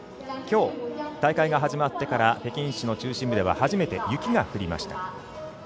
きょう、大会が始まってから北京市の中心部では初めて雪が降りました。